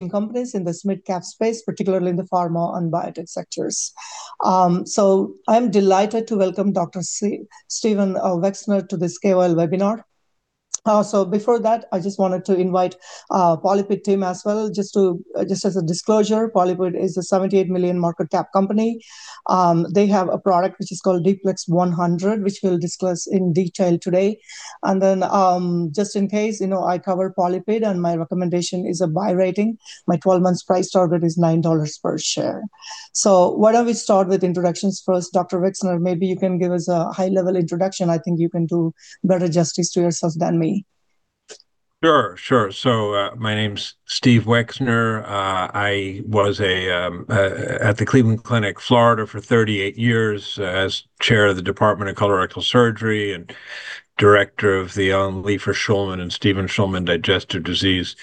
In companies in the mid-cap space, particularly in the pharma and biotech sectors. So I'm delighted to welcome Dr. Steven Wexner to this KOL webinar. So before that, I just wanted to invite PolyPid team as well. Just as a disclosure, PolyPid is a $78 million market cap company. They have a product which is called D-PLEX100, which we'll discuss in detail today. And then just in case, I cover PolyPid, and my recommendation is a buy rating. My 12-month price target is $9 per share. So why don't we start with introductions first? Dr. Wexner, maybe you can give us a high-level introduction. I think you can do better justice to yourself than me. Sure, sure. So my name's Steve Wexner. I was at the Cleveland Clinic Florida for 38 years as chair of the Department of Colorectal Surgery and director of the Ellen Leifer Shulman and Steven Shulman Digestive Disease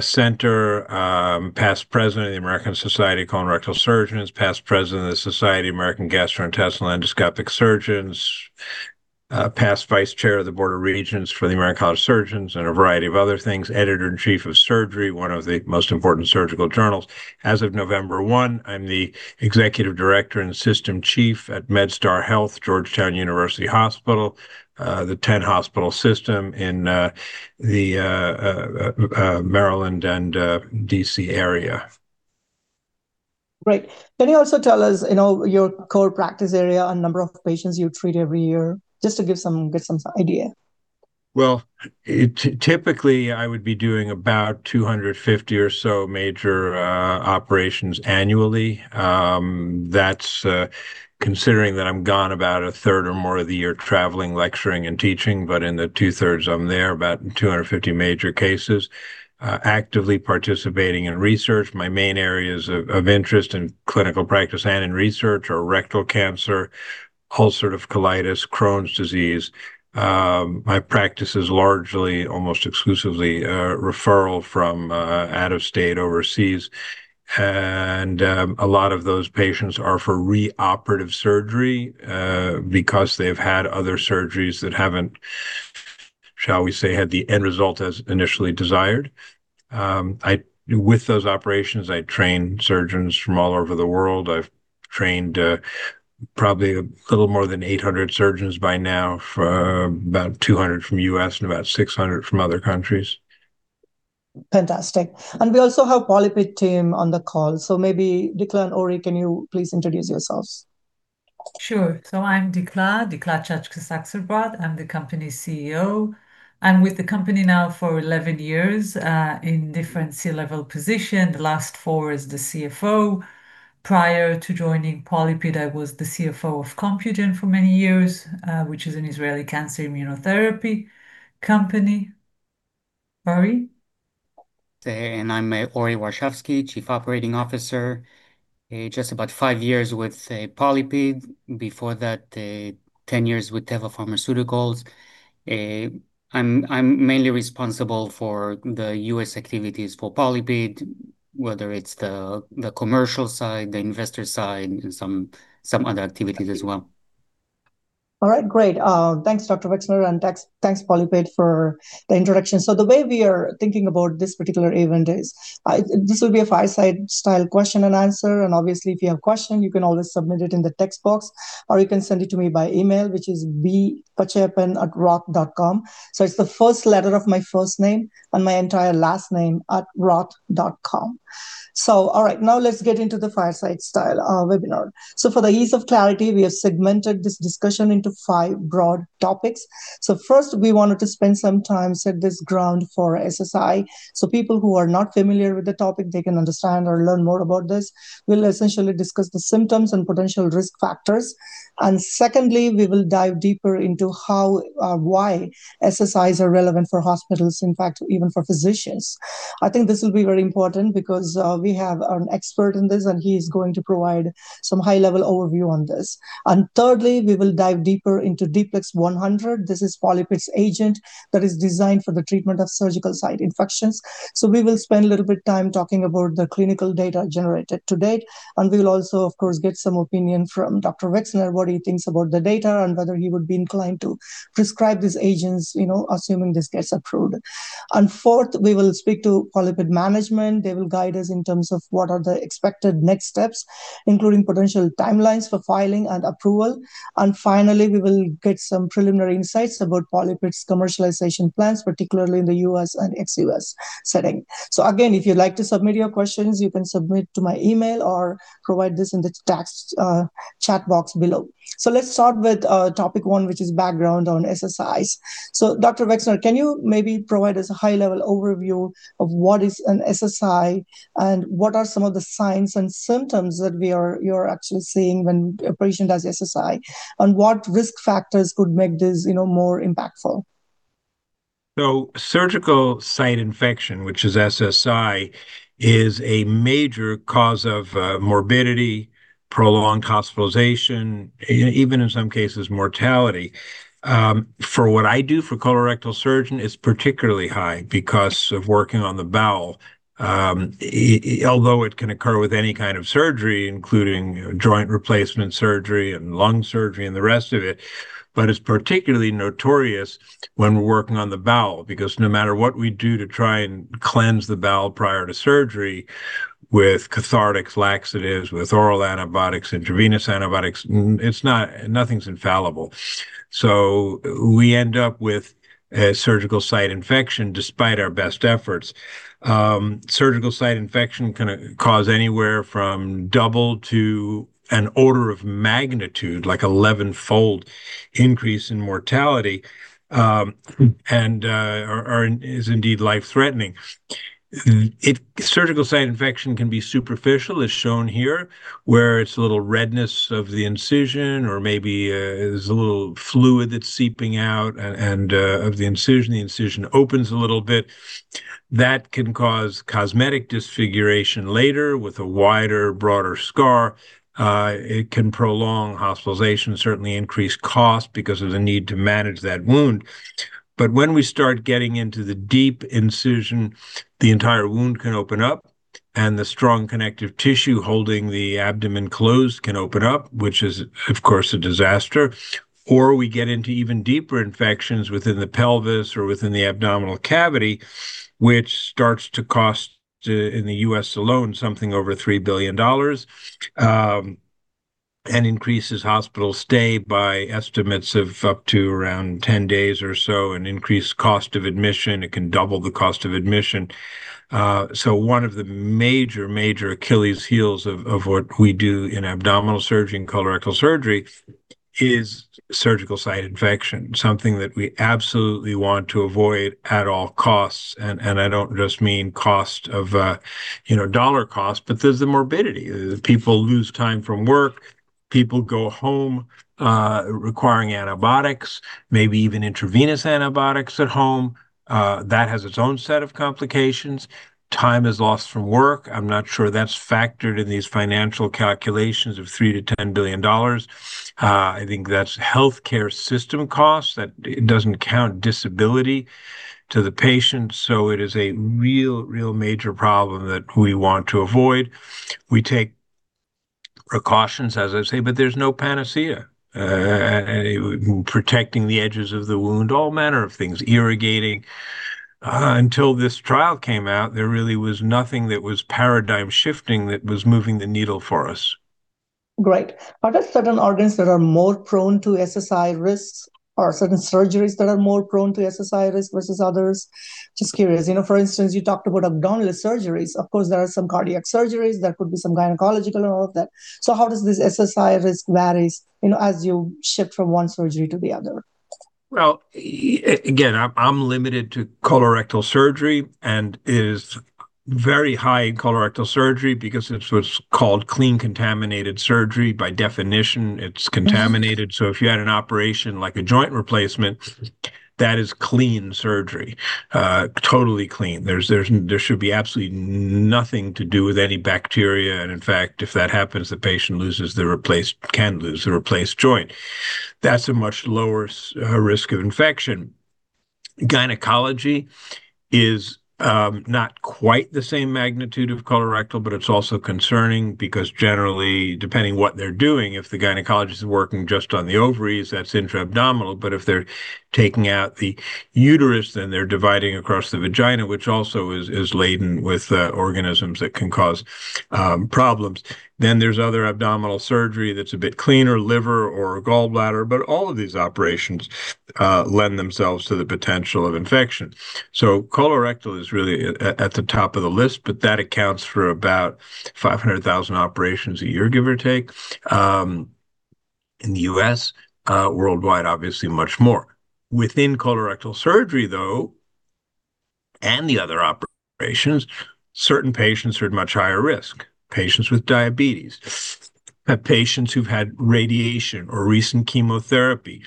Center. Past president of the American Society of Colon and Rectal Surgeons. Past president of the Society of American Gastrointestinal and Endoscopic Surgeons. Past vice chair of the Board of Regents for the American College of Surgeons and a variety of other things. Editor in chief of Surgery, one of the most important surgical journals. As of November 1, I'm the executive director and System Chief at MedStar Health, Georgetown University Hospital, the 10-hospital system in the Maryland and D.C. area. Right. Can you also tell us your core practice area and number of patients you treat every year? Just to give some idea. Typically, I would be doing about 250 or so major operations annually. That's considering that I'm gone about a third or more of the year traveling, lecturing, and teaching. In the two-thirds, I'm there about 250 major cases, actively participating in research. My main areas of interest in clinical practice and in research are rectal cancer, ulcerative colitis, and Crohn's disease. My practice is largely, almost exclusively, referral from out-of-state, overseas. A lot of those patients are for re-operative surgery because they've had other surgeries that haven't, shall we say, had the end result as initially desired. With those operations, I train surgeons from all over the world. I've trained probably a little more than 800 surgeons by now, about 200 from the U.S. and about 600 from other countries. Fantastic. And we also have PolyPid team on the call. So maybe Dikla and Ori, can you please introduce yourselves? Sure. So I'm Dikla, Dikla Czaczkes Akselbrad. I'm the company CEO. I'm with the company now for 11 years in different C-level positions. The last four as the CFO. Prior to joining PolyPid, I was the CFO of Compugen for many years, which is an Israeli cancer immunotherapy company. Ori? I'm Ori Warshavsky, Chief Operating Officer. Just about five years with PolyPid. Before that, 10 years with Teva Pharmaceuticals. I'm mainly responsible for the U.S. activities for PolyPid, whether it's the commercial side, the investor side, and some other activities as well. All right, great. Thanks, Dr. Wexner, and thanks, PolyPid, for the introduction. So the way we are thinking about this particular event is this will be a Fireside-style question and answer. And obviously, if you have a question, you can always submit it in the text box, or you can send it to me by email, which is bpachaiyappan@roth.com. So it's the first letter of my first name and my entire last name at roth.com. So all right, now let's get into the Fireside-style webinar. So for the ease of clarity, we have segmented this discussion into five broad topics. So first, we wanted to spend some time on background for SSI. So people who are not familiar with the topic, they can understand or learn more about this, will essentially discuss the symptoms and potential risk factors. And secondly, we will dive deeper into why SSIs are relevant for hospitals, in fact, even for physicians. I think this will be very important because we have an expert in this, and he is going to provide some high-level overview on this. And thirdly, we will dive deeper into D-PLEX100. This is PolyPid's agent that is designed for the treatment of surgical site infections. So we will spend a little bit of time talking about the clinical data generated to date. And we will also, of course, get some opinion from Dr. Wexner, what he thinks about the data and whether he would be inclined to prescribe these agents, assuming this gets approved. And fourth, we will speak to PolyPid management. They will guide us in terms of what are the expected next steps, including potential timelines for filing and approval. And finally, we will get some preliminary insights about PolyPid's commercialization plans, particularly in the U.S. and ex-U.S. setting. So again, if you'd like to submit your questions, you can submit to my email or provide this in the chat box below. So let's start with topic one, which is background on SSIs. So Dr. Wexner, can you maybe provide us a high-level overview of what is an SSI and what are some of the signs and symptoms that you're actually seeing when a patient has SSI? And what risk factors could make this more impactful? So surgical site infection, which is SSI, is a major cause of morbidity, prolonged hospitalization, and even in some cases, mortality. For what I do for colorectal surgeons, it's particularly high because of working on the bowel. Although it can occur with any kind of surgery, including joint replacement surgery and lung surgery and the rest of it, but it's particularly notorious when we're working on the bowel because no matter what we do to try and cleanse the bowel prior to surgery with cathartics, laxatives, with oral antibiotics, intravenous antibiotics, nothing's infallible. So we end up with a surgical site Infection despite our best efforts. surgical site infection can cause anywhere from double to an order of magnitude, like an 11-fold increase in mortality and is indeed life-threatening. Surgical site infection can be superficial, as shown here, where it's a little redness of the incision or maybe there's a little fluid that's seeping out of the incision. The incision opens a little bit. That can cause cosmetic disfiguration later with a wider, broader scar. It can prolong hospitalization, certainly increase costs because of the need to manage that wound. But when we start getting into the deep incision, the entire wound can open up, and the strong connective tissue holding the abdomen closed can open up, which is, of course, a disaster. Or we get into even deeper infections within the pelvis or within the abdominal cavity, which starts to cost, in the U.S. alone, something over $3 billion and increases hospital stay by estimates of up to around 10 days or so, an increased cost of admission. It can double the cost of admission. So one of the major, major Achilles heels of what we do in abdominal surgery and colorectal surgery is surgical site infection, something that we absolutely want to avoid at all costs. And I don't just mean cost of dollar costs, but there's the morbidity. People lose time from work. People go home requiring antibiotics, maybe even intravenous antibiotics at home. That has its own set of complications. Time is lost from work. I'm not sure that's factored in these financial calculations of $3 billion -$10 billion. I think that's healthcare system costs. That doesn't count disability to the patient. So it is a real, real major problem that we want to avoid. We take precautions, as I say, but there's no panacea. Protecting the edges of the wound, all manner of things, irrigating. Until this trial came out, there really was nothing that was paradigm-shifting that was moving the needle for us. Great. Are there certain organs that are more prone to SSI risks or certain surgeries that are more prone to SSI risk versus others? Just curious. For instance, you talked about abdominal surgeries. Of course, there are some cardiac surgeries. There could be some gynecological and all of that. So how does this SSI risk vary as you shift from one surgery to the other? Well, again, I'm limited to colorectal surgery, and it is very high in colorectal surgery because it's what's called clean-contaminated surgery. By definition, it's contaminated. So if you had an operation like a joint replacement, that is clean surgery, totally clean. There should be absolutely nothing to do with any bacteria. And in fact, if that happens, the patient can lose the replaced joint. That's a much lower risk of infection. Gynecology is not quite the same magnitude of colorectal, but it's also concerning because generally, depending on what they're doing, if the gynecologist is working just on the ovaries, that's intra-abdominal. But if they're taking out the uterus, then they're dividing across the vagina, which also is laden with organisms that can cause problems. Then there's other abdominal surgery that's a bit cleaner, liver or gallbladder, but all of these operations lend themselves to the potential of infection. So colorectal is really at the top of the list, but that accounts for about 500,000 operations a year, give or take, in the U.S. Worldwide, obviously, much more. Within colorectal surgery, though, and the other operations, certain patients are at much higher risk: patients with diabetes, patients who've had radiation or recent chemotherapy,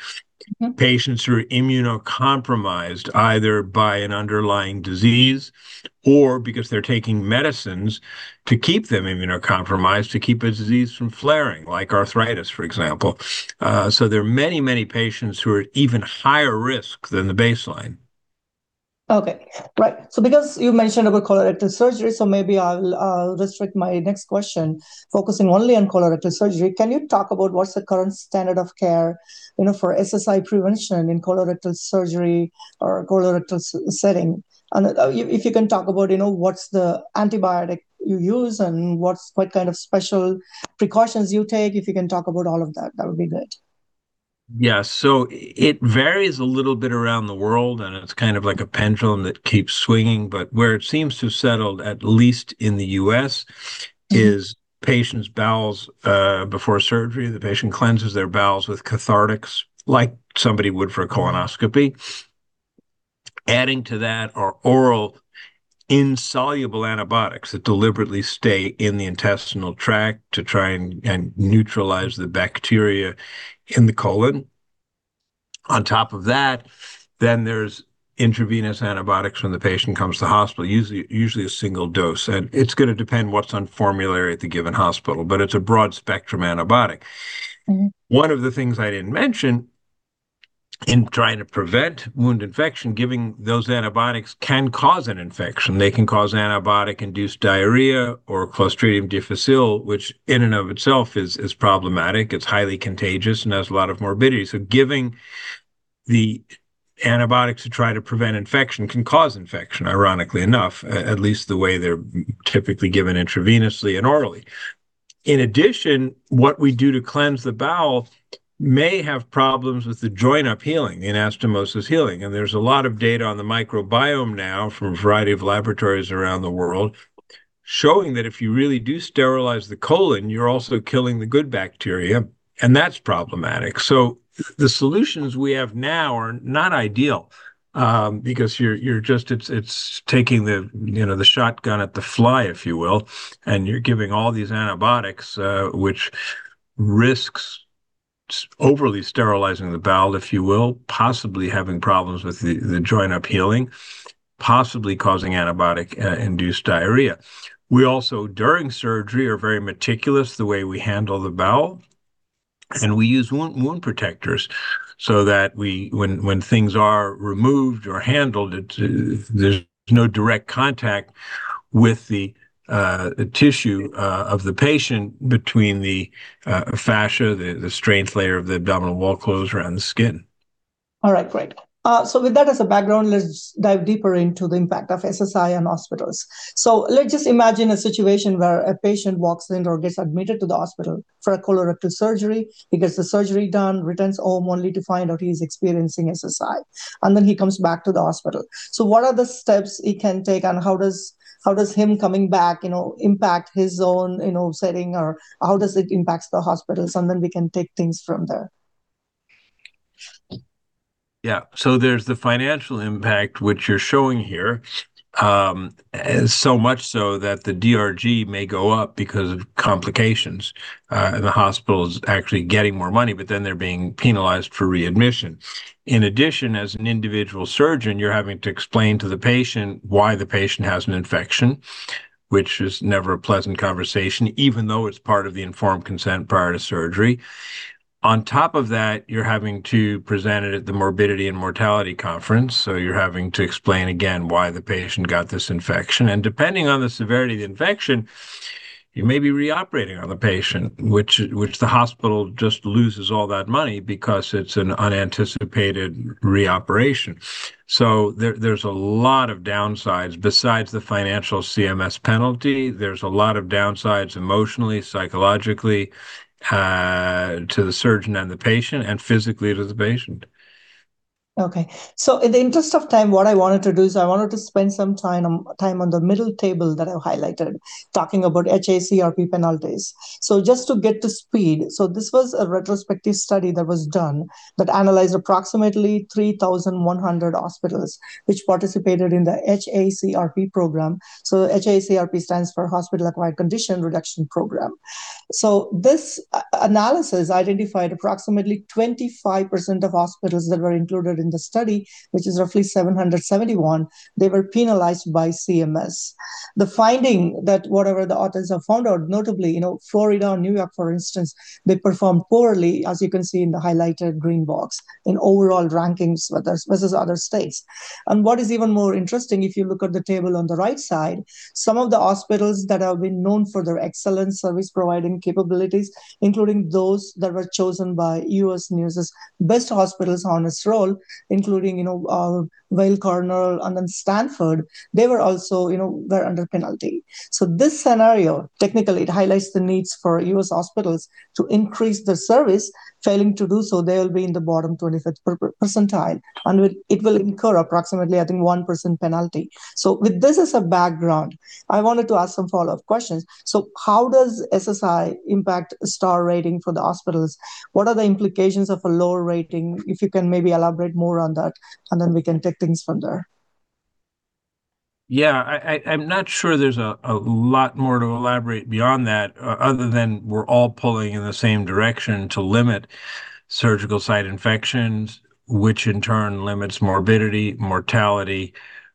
patients who are immunocompromised either by an underlying disease or because they're taking medicines to keep them immunocompromised, to keep a disease from flaring, like arthritis, for example. So there are many, many patients who are at even higher risk than the baseline. Okay. Right. So because you mentioned about colorectal surgery, so maybe I'll restrict my next question focusing only on colorectal surgery. Can you talk about what's the current standard of care for SSI prevention in colorectal surgery or colorectal setting? And if you can talk about what's the antibiotic you use and what kind of special precautions you take, if you can talk about all of that, that would be great. Yeah. So it varies a little bit around the world, and it's kind of like a pendulum that keeps swinging. But where it seems to have settled, at least in the U.S., is patients' bowels before surgery. The patient cleanses their bowels with cathartics, like somebody would for a colonoscopy. Adding to that are oral insoluble antibiotics that deliberately stay in the intestinal tract to try and neutralize the bacteria in the colon. On top of that, then there's intravenous antibiotics when the patient comes to the hospital, usually a single dose. And it's going to depend what's on formulary at the given hospital, but it's a broad-spectrum antibiotic. One of the things I didn't mention in trying to prevent wound infection, giving those antibiotics can cause an infection. They can cause antibiotic-induced diarrhea or Clostridium difficile, which in and of itself is problematic. It's highly contagious and has a lot of morbidity, so giving the antibiotics to try to prevent infection can cause infection, ironically enough, at least the way they're typically given intravenously and orally. In addition, what we do to cleanse the bowel may have problems with the join up healing, the anastomosis healing, and there's a lot of data on the microbiome now from a variety of laboratories around the world showing that if you really do sterilize the colon, you're also killing the good bacteria, and that's problematic, so the solutions we have now are not ideal because it's taking the shotgun at the fly, if you will, and you're giving all these antibiotics, which risks overly sterilizing the bowel, if you will, possibly having problems with the join up healing, possibly causing antibiotic-induced diarrhea. We also, during surgery, are very meticulous in the way we handle the bowel, and we use wound protectors so that when things are removed or handled, there's no direct contact with the tissue of the patient between the fascia, the stratum layer of the abdominal wall closure on the skin. All right, great. So with that as a background, let's dive deeper into the impact of SSI on hospitals. So let's just imagine a situation where a patient walks in or gets admitted to the hospital for a colorectal surgery. He gets the surgery done, returns home only to find out he is experiencing SSI, and then he comes back to the hospital. So what are the steps he can take, and how does him coming back impact his own setting, or how does it impact the hospitals? And then we can take things from there. Yeah. So there's the financial impact, which you're showing here, so much so that the DRG may go up because of complications. The hospital is actually getting more money, but then they're being penalized for readmission. In addition, as an individual surgeon, you're having to explain to the patient why the patient has an infection, which is never a pleasant conversation, even though it's part of the informed consent prior to surgery. On top of that, you're having to present it at the Morbidity and Mortality Conference. So you're having to explain again why the patient got this infection. And depending on the severity of the infection, you may be reoperating on the patient, which the hospital just loses all that money because it's an unanticipated reoperation. So there's a lot of downsides. Besides the financial CMS penalty, there's a lot of downsides emotionally, psychologically to the surgeon and the patient, and physically to the patient. Okay. So in the interest of time, what I wanted to do is I wanted to spend some time on the middle table that I've highlighted, talking about HACRP penalties. So just to get to speed, so this was a retrospective study that was done that analyzed approximately 3,100 hospitals which participated in the HACRP program. So HACRP stands for Hospital-Acquired Condition Reduction Program. So this analysis identified approximately 25% of hospitals that were included in the study, which is roughly 771, they were penalized by CMS. The finding that whatever the authors have found out, notably Florida and New York, for instance, they performed poorly, as you can see in the highlighted green box, in overall rankings versus other states. And what is even more interesting, if you look at the table on the right side, some of the hospitals that have been known for their excellent service-providing capabilities, including those that were chosen by U.S. News Best Hospitals Honor Roll, including Weill Cornell and then Stanford, they were also under penalty. So this scenario, technically, it highlights the needs for U.S. hospitals to increase their service. Failing to do so, they will be in the bottom 25th percentile, and it will incur approximately, I think, 1% penalty. So with this as a background, I wanted to ask some follow-up questions. So how does SSI impact star rating for the hospitals? What are the implications of a lower rating? If you can maybe elaborate more on that, and then we can take things from there. Yeah. I'm not sure there's a lot more to elaborate beyond that, other than we're all pulling in the same direction to limit surgical site infections, which in turn limits morbidity, mortality,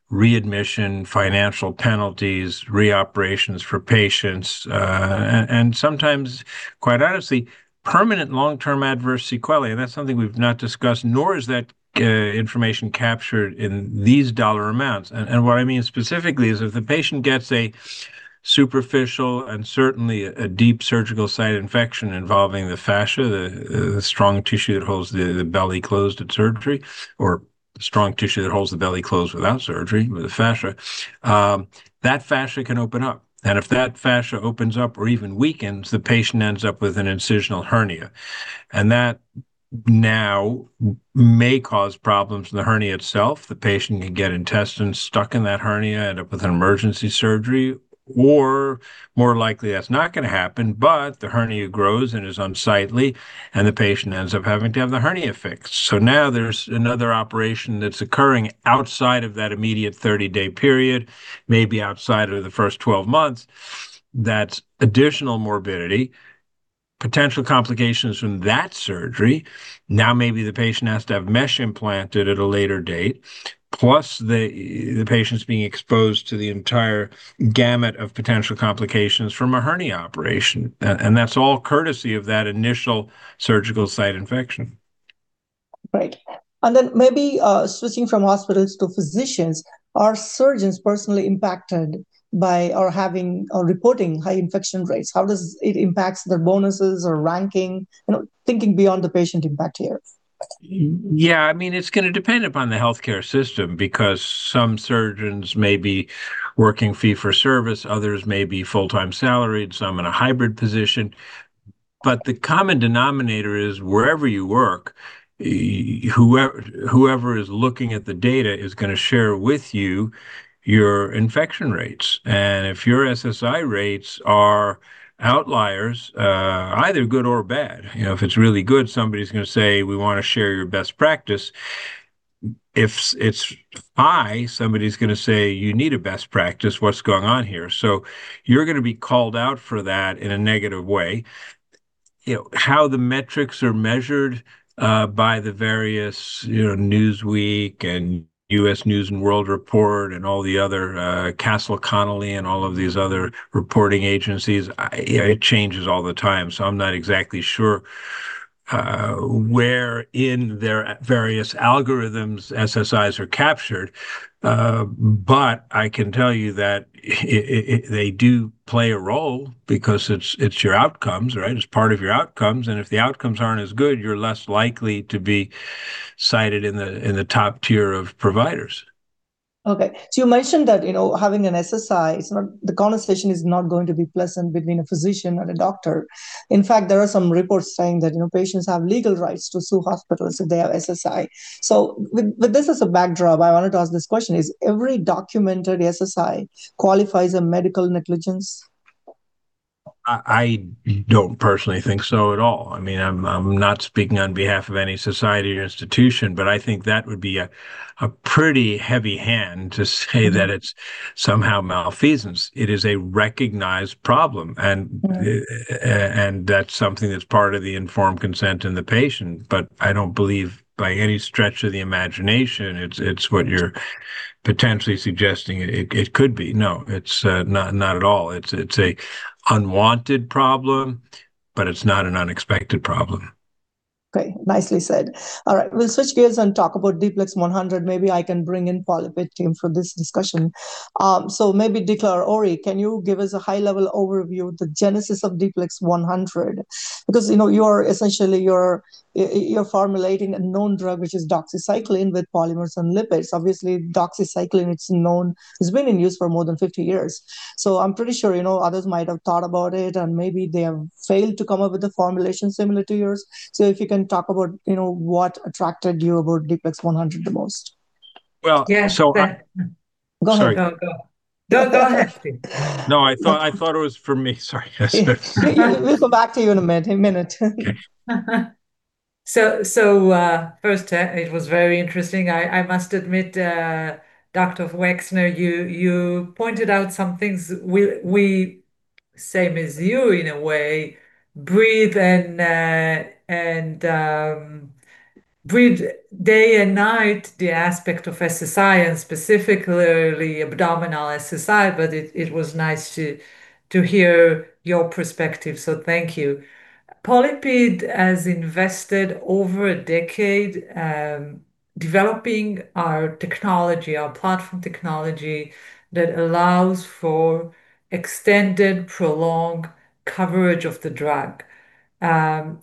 readmission, financial penalties, reoperations for patients, and sometimes, quite honestly, permanent long-term adverse sequelae. And that's something we've not discussed, nor is that information captured in these dollar amounts. And what I mean specifically is if the patient gets a superficial and certainly a deep surgical site infection involving the fascia, the strong tissue that holds the belly closed at surgery, or the strong tissue that holds the belly closed without surgery, the fascia, that fascia can open up. And if that fascia opens up or even weakens, the patient ends up with an incisional hernia. And that now may cause problems in the hernia itself. The patient can get intestines stuck in that hernia, end up with an emergency surgery, or more likely, that's not going to happen, but the hernia grows and is unsightly, and the patient ends up having to have the hernia fixed. So now there's another operation that's occurring outside of that immediate 30-day period, maybe outside of the first 12 months. That's additional morbidity, potential complications from that surgery. Now maybe the patient has to have mesh implanted at a later date, plus the patient's being exposed to the entire gamut of potential complications from a hernia operation. And that's all courtesy of that initial surgical site infection. Right. And then maybe switching from hospitals to physicians, are surgeons personally impacted by or reporting high infection rates? How does it impact their bonuses or ranking, thinking beyond the patient impact here? Yeah. I mean, it's going to depend upon the healthcare system because some surgeons may be working fee-for-service, others may be full-time salaried, some in a hybrid position. But the common denominator is wherever you work, whoever is looking at the data is going to share with you your infection rates. And if your SSI rates are outliers, either good or bad, if it's really good, somebody's going to say, "We want to share your best practice." If it's high, somebody's going to say, "You need a best practice. What's going on here?" So you're going to be called out for that in a negative way. How the metrics are measured by the various Newsweek and U.S. News & World Report and all the other, Castle Connolly and all of these other reporting agencies, it changes all the time. So I'm not exactly sure where in their various algorithms SSIs are captured. But I can tell you that they do play a role because it's your outcomes, right? It's part of your outcomes. And if the outcomes aren't as good, you're less likely to be cited in the top tier of providers. Okay. So you mentioned that having an SSI, the conversation is not going to be pleasant between a physician and a doctor. In fact, there are some reports saying that patients have legal rights to sue hospitals if they have SSI. So with this as a backdrop, I wanted to ask this question: is every documented SSI qualifies as medical negligence? I don't personally think so at all. I mean, I'm not speaking on behalf of any society or institution, but I think that would be a pretty heavy hand to say that it's somehow malfeasance. It is a recognized problem, and that's something that's part of the informed consent and the patient. But I don't believe by any stretch of the imagination it's what you're potentially suggesting it could be. No, it's not at all. It's an unwanted problem, but it's not an unexpected problem. Okay. Nicely said. All right. We'll switch gears and talk about D-PLEX100. Maybe I can bring in PolyPid team for this discussion. So maybe Dikla Akselbrad, can you give us a high-level overview of the genesis of D-PLEX100? Because essentially, you're formulating a known drug, which is doxycycline with polymers and lipids. Obviously, doxycycline has been in use for more than 50 years. So I'm pretty sure others might have thought about it, and maybe they have failed to come up with a formulation similar to yours. So if you can talk about what attracted you about D-PLEX100 the most. Well, so. Yeah. Go ahead. Sorry. No, go ahead. No, I thought it was for me. Sorry. We'll come back to you in a minute. Okay. So first, it was very interesting. I must admit, Dr. Wexner, you pointed out some things we, same as you in a way, breathe day and night, the aspect of SSI and specifically the abdominal SSI, but it was nice to hear your perspective. So thank you. PolyPid has invested over a decade developing our technology, our platform technology that allows for extended prolonged coverage of the drug. And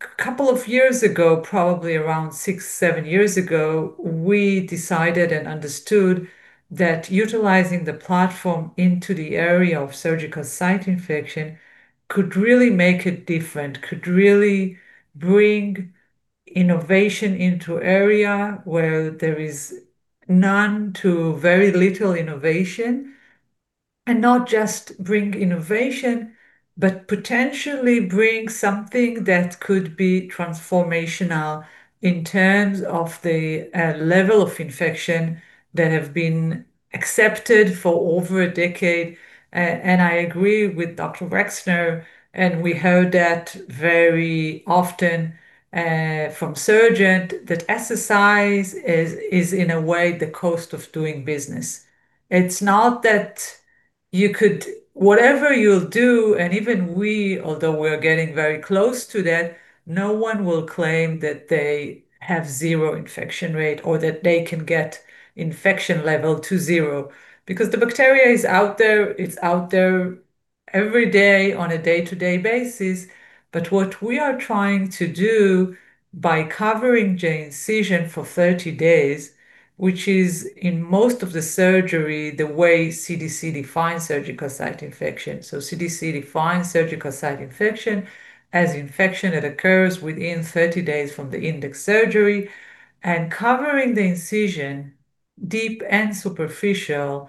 a couple of years ago, probably around six, seven years ago, we decided and understood that utilizing the platform into the area of surgical site infection could really make it different, could really bring innovation into an area where there is none to very little innovation, and not just bring innovation, but potentially bring something that could be transformational in terms of the level of infection that has been accepted for over a decade. And I agree with Dr. Wexner, and we heard that very often from surgeons that SSI is, in a way, the cost of doing business. It's not that you could, whatever you'll do, and even we, although we're getting very close to that, no one will claim that they have zero infection rate or that they can get infection level to zero because the bacteria is out there. It's out there every day on a day-to-day basis, but what we are trying to do by covering the incision for 30 days, which is in most of the surgery the way CDC defines surgical site infection, so CDC defines surgical site infection as infection that occurs within 30 days from the index surgery, and covering the incision, deep and superficial,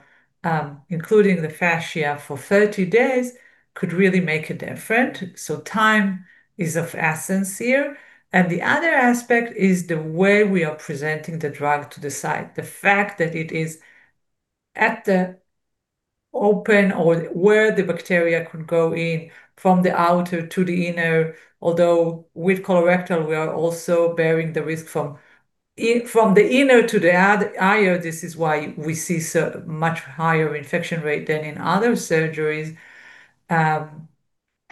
including the fascia for 30 days could really make a difference, so time is of essence here. The other aspect is the way we are presenting the drug to the site, the fact that it is at the opening where the bacteria could go in from the outer to the inner, although with colorectal, we are also bearing the risk from the inner to the outer. This is why we see so much higher infection rate than in other surgeries. It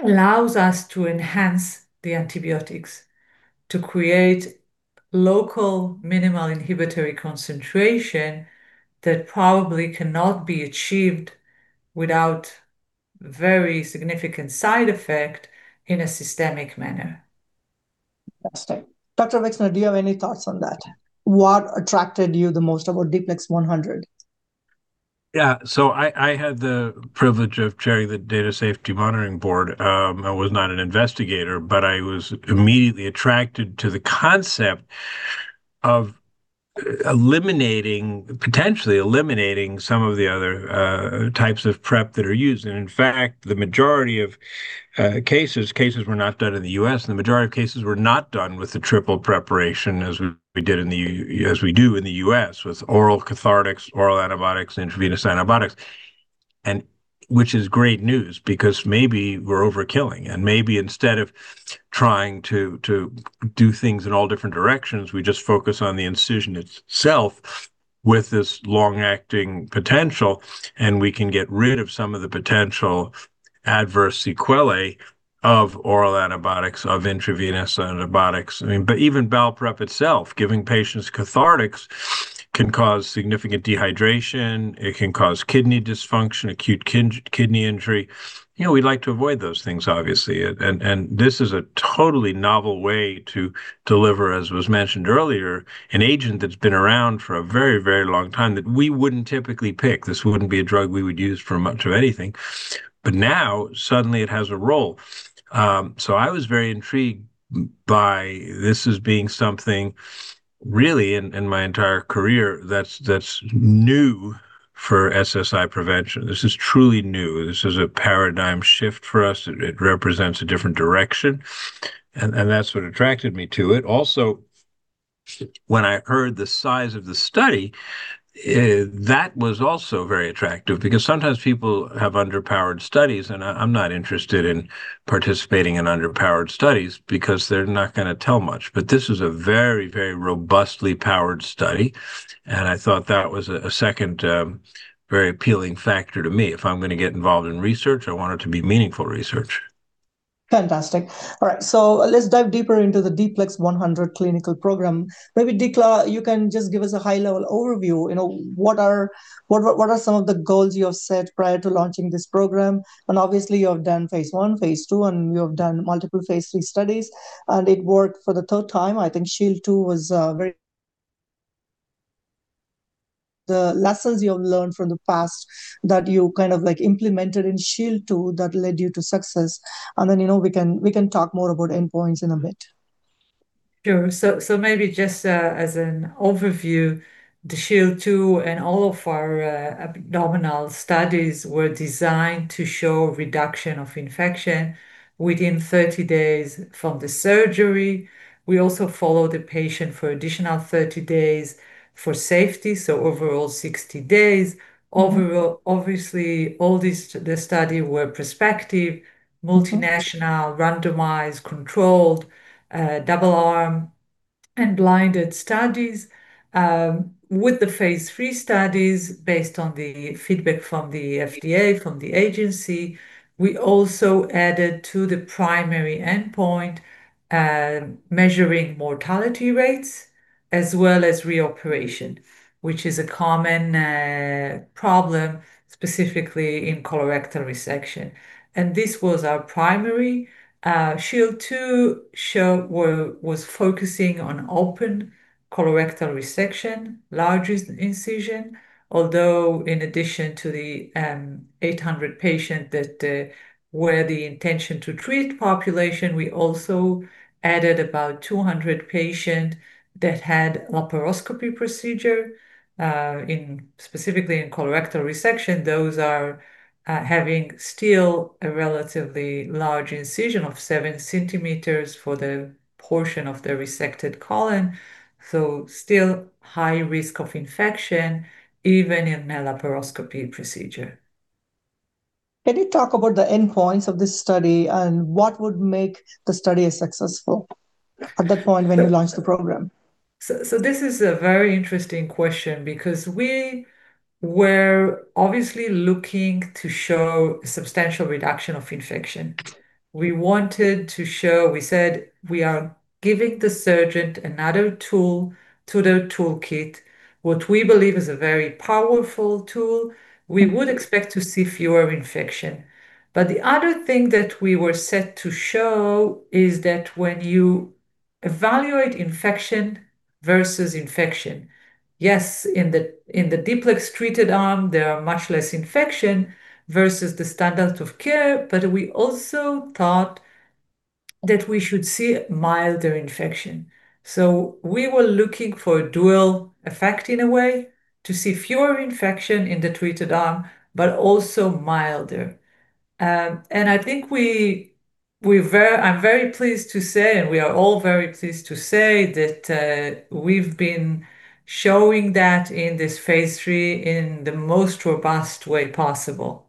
allows us to enhance the antibiotics to create local minimal inhibitory concentration that probably cannot be achieved without very significant side effects in a systemic manner. Fantastic. Dr. Wexner, do you have any thoughts on that? What attracted you the most about D-PLEX100? Yeah. So I had the privilege of chairing the Data Safety Monitoring Board. I was not an investigator, but I was immediately attracted to the concept of potentially eliminating some of the other types of prep that are used. And in fact, the majority of cases were not done in the U.S., and the majority of cases were not done with the triple preparation as we did in the U.S., as we do in the U.S. with oral cathartics, oral antibiotics, intravenous antibiotics, which is great news because maybe we're overkilling. And maybe instead of trying to do things in all different directions, we just focus on the incision itself with this long-acting potential, and we can get rid of some of the potential adverse sequelae of oral antibiotics, of intravenous antibiotics. I mean, but even bowel prep itself, giving patients cathartics can cause significant dehydration. It can cause kidney dysfunction, acute kidney injury. We'd like to avoid those things, obviously. And this is a totally novel way to deliver, as was mentioned earlier, an agent that's been around for a very, very long time that we wouldn't typically pick. This wouldn't be a drug we would use for much of anything. But now suddenly it has a role. So I was very intrigued by this as being something really in my entire career that's new for SSI prevention. This is truly new. This is a paradigm shift for us. It represents a different direction. And that's what attracted me to it. Also, when I heard the size of the study, that was also very attractive because sometimes people have underpowered studies, and I'm not interested in participating in underpowered studies because they're not going to tell much. But this is a very, very robustly powered study. And I thought that was a second very appealing factor to me. If I'm going to get involved in research, I want it to be meaningful research. Fantastic. All right. So let's dive deeper into the D-PLEX100 clinical program. Maybe Dikla, you can just give us a high-level overview. What are some of the goals you have set prior to launching this program? And obviously, you have done phase I, phase II, and you have done multiple phase three studies. And it worked for the third time. I think SHIELD II was very. The lessons you have learned from the past that you kind of implemented in SHIELD II that led you to success. And then we can talk more about endpoints in a bit. Sure. So maybe just as an overview, the SHIELD II and all of our abdominal studies were designed to show reduction of infection within 30 days from the surgery. We also followed the patient for additional 30 days for safety, so overall 60 days. Obviously, all the studies were prospective, multinational, randomized, controlled, double-arm, and blinded studies. With the phase 3 studies, based on the feedback from the FDA, from the agency, we also added to the primary endpoint measuring mortality rates as well as reoperation, which is a common problem specifically in colorectal resection. And this was our primary. SHIELD II was focusing on open colorectal resection, largest incision, although in addition to the 800 patients that were the intention to treat population, we also added about 200 patients that had laparoscopy procedure, specifically in colorectal resection. Those are having still a relatively large incision of seven centimeters for the portion of the resected colon, so still high risk of infection even in laparoscopy procedure. Can you talk about the endpoints of this study and what would make the study successful at that point when you launched the program? So this is a very interesting question because we were obviously looking to show a substantial reduction of infection. We wanted to show, we said, we are giving the surgeon another tool to the toolkit, what we believe is a very powerful tool. We would expect to see fewer infections. But the other thing that we were set to show is that when you evaluate infection versus infection, yes, in the D-PLEX100 treated arm, there are much less infections versus the standard of care, but we also thought that we should see milder infection. So we were looking for a dual effect in a way to see fewer infections in the treated arm, but also milder. And I think I'm very pleased to say, and we are all very pleased to say that we've been showing that in this phase three in the most robust way possible.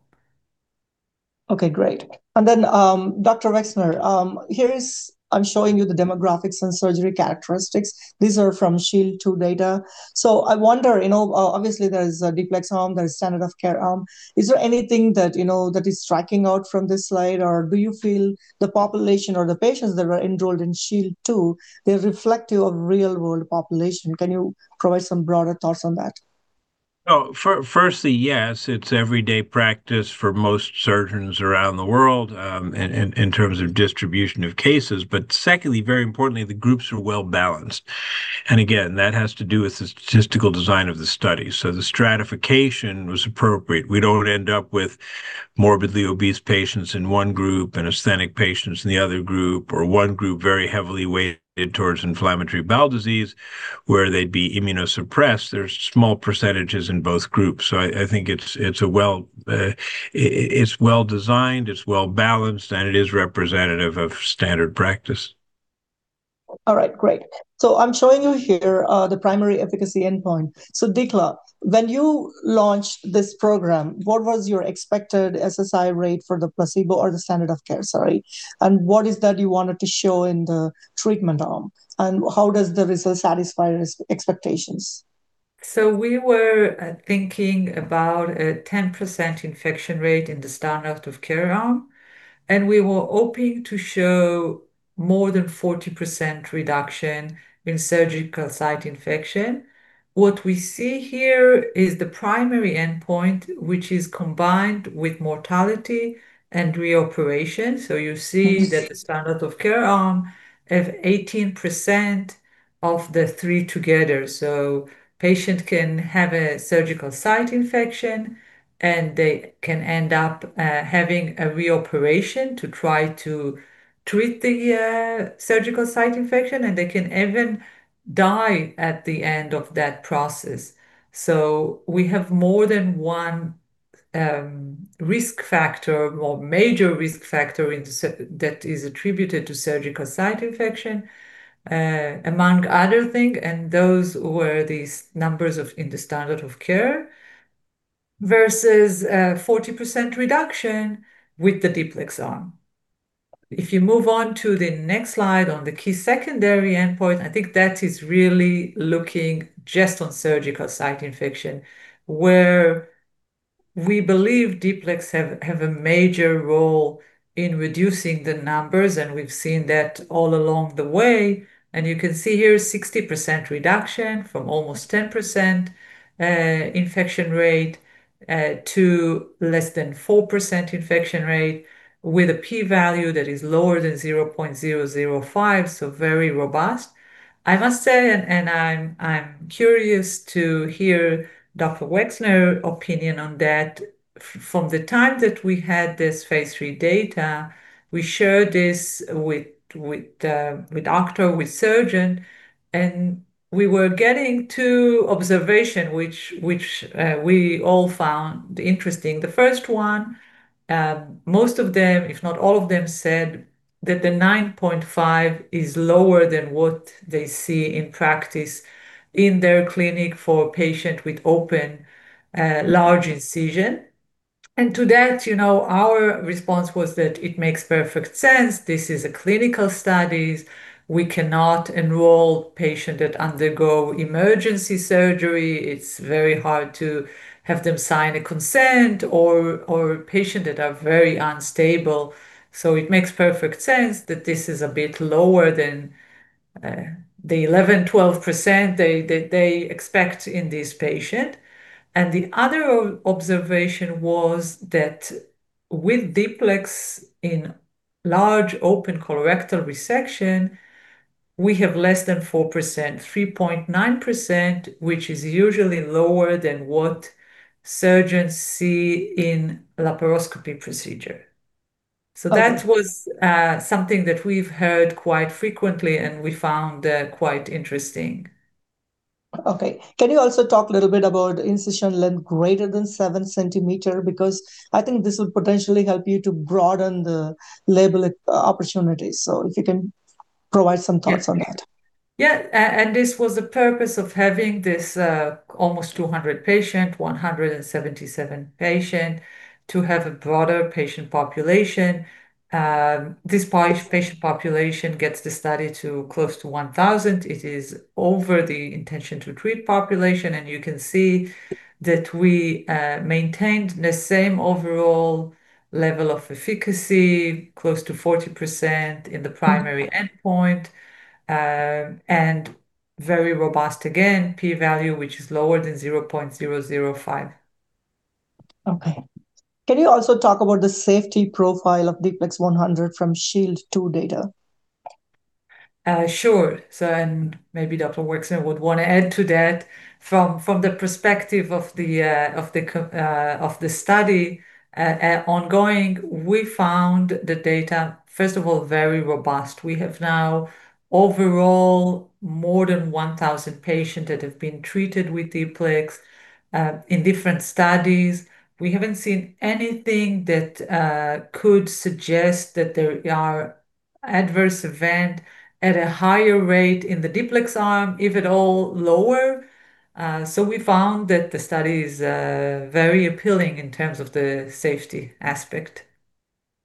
Okay, great. And then, Dr. Wexner, here, I'm showing you the demographics and surgery characteristics. These are from SHIELD II data. So I wonder, obviously, there is a D-PLEX100 arm, there is standard of care arm. Is there anything that is striking out from this slide, or do you feel the population or the patients that are enrolled in SHIELD II, they're reflective of real-world population? Can you provide some broader thoughts on that? Firstly, yes, it's everyday practice for most surgeons around the world in terms of distribution of cases. But secondly, very importantly, the groups are well balanced. And again, that has to do with the statistical design of the study. So the stratification was appropriate. We don't end up with morbidly obese patients in one group and asthenic patients in the other group, or one group very heavily weighted towards inflammatory bowel disease where they'd be immunosuppressed. There's small percentages in both groups. So I think it's well designed, it's well balanced, and it is representative of standard practice. All right, great. So I'm showing you here the primary efficacy endpoint. So Dikla, when you launched this program, what was your expected SSI rate for the placebo or the standard of care, sorry? And what is that you wanted to show in the treatment arm? And how does the result satisfy expectations? So we were thinking about a 10% infection rate in the standard of care arm. And we were hoping to show more than 40% reduction in surgical site infection. What we see here is the primary endpoint, which is combined with mortality and reoperation. So you see that the standard of care arm has 18% of the three together. So a patient can have a surgical site infection, and they can end up having a reoperation to try to treat the surgical site infection, and they can even die at the end of that process. So we have more than one risk factor or major risk factor that is attributed to surgical site infection, among other things, and those were these numbers in the standard of care versus 40% reduction with the D-PLEX100 arm. If you move on to the next slide on the key secondary endpoint, I think that is really looking just on surgical site infection, where we believe D-PLEX100 have a major role in reducing the numbers, and we've seen that all along the way. And you can see here 60% reduction from almost 10% infection rate to less than 4% infection rate with a p-value that is lower than 0.005, so very robust. I must say, and I'm curious to hear Dr. Wexner's opinion on that. From the time that we had this phase III data, we shared this with doctor, with surgeon, and we were getting two observations, which we all found interesting. The first one, most of them, if not all of them, said that the 9.5 is lower than what they see in practice in their clinic for a patient with open large incision. And to that, our response was that it makes perfect sense. This is a clinical study. We cannot enroll patients that undergo emergency surgery. It's very hard to have them sign a consent or patients that are very unstable. So it makes perfect sense that this is a bit lower than the 11%-12% they expect in this patient. And the other observation was that with D-PLEX100 in large open colorectal resection, we have less than 4%, 3.9%, which is usually lower than what surgeons see in laparoscopy procedure. So that was something that we've heard quite frequently, and we found quite interesting. Okay. Can you also talk a little bit about incision length greater than seven centimeters? Because I think this would potentially help you to broaden the label opportunities. So if you can provide some thoughts on that. Yeah. And this was the purpose of having this almost 200 patients, 177 patients, to have a broader patient population. This patient population gets the study to close to 1,000. It is over the intention to treat population. And you can see that we maintained the same overall level of efficacy, close to 40% in the primary endpoint, and very robust, again, p-value, which is lower than 0.005. Okay. Can you also talk about the safety profile of D-PLEX100 from SHIELD II data? Sure. And maybe Dr. Wexner would want to add to that. From the perspective of the study ongoing, we found the data, first of all, very robust. We have now overall more than 1,000 patients that have been treated with D-PLEX100 in different studies. We haven't seen anything that could suggest that there are adverse events at a higher rate in the D-PLEX100 arm, if at all lower. So we found that the study is very appealing in terms of the safety aspect.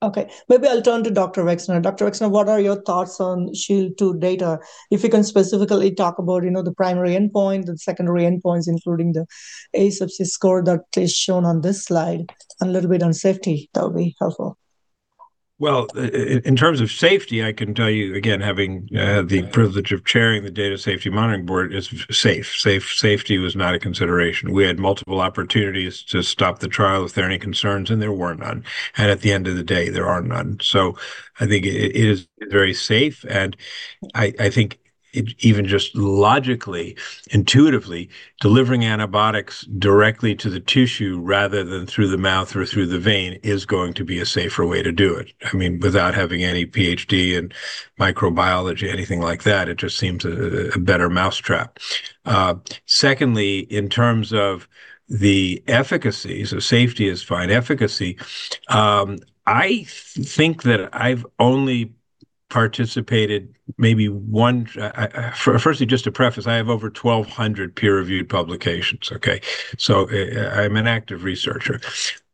Okay. Maybe I'll turn to Dr. Wexner. Dr. Wexner, what are your thoughts on SHIELD II data? If you can specifically talk about the primary endpoint, the secondary endpoints, including the ASEPSIS score that is shown on this slide, and a little bit on safety, that would be helpful. Well, in terms of safety, I can tell you, again, having the privilege of chairing the Data Safety Monitoring Board, it's safe. Safety was not a consideration. We had multiple opportunities to stop the trial if there were any concerns, and there were none. And at the end of the day, there are none. So I think it is very safe. And I think even just logically, intuitively, delivering antibiotics directly to the tissue rather than through the mouth or through the vein is going to be a safer way to do it. I mean, without having any PhD in microbiology, anything like that, it just seems a better mousetrap. Secondly, in terms of the efficacy, so safety is fine, efficacy, I think that I've only participated maybe one firstly, just to preface, I have over 1,200 peer-reviewed publications. Okay? So I'm an active researcher.